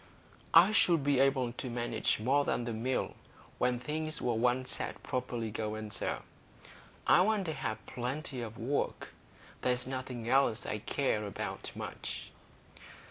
"I should be able to manage more than the Mill when things were once set properly going, sir. I want to have plenty of work. There's nothing else I care about much."